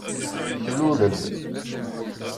Tulel-d.